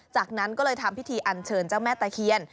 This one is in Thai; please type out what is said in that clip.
จากนั้นก็เลยทำพิธีอันเชิญเจ้าแม่ตะเคียน